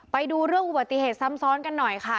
ไปดูเรื่องอุบัติเหตุซ้ำซ้อนกันหน่อยค่ะ